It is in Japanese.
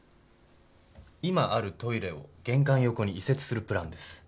今あるトイレを玄関横に移設するプランです。